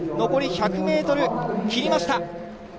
残り１００ｍ切りました。